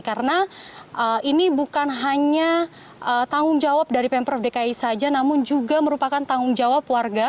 karena ini bukan hanya tanggung jawab dari pemprov dki saja namun juga merupakan tanggung jawab warga